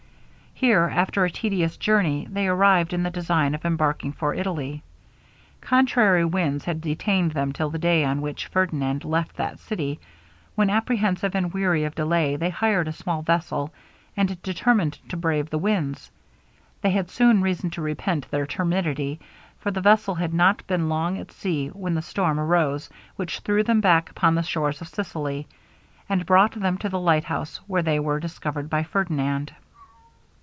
Here, after a tedious journey, they arrived, in the design of embarking for Italy. Contrary winds had detained them till the day on which Ferdinand left that city, when, apprehensive and weary of delay, they hired a small vessel, and determined to brave the winds. They had soon reason to repent their temerity; for the vessel had not been long at sea when the storm arose, which threw them back upon the shores of Sicily, and brought them to the lighthouse, where they were discovered by Ferdinand.